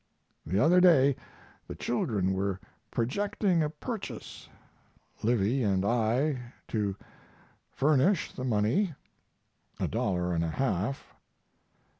The other day the children were projecting a purchase, Livy and I to furnish the money a dollar and a half.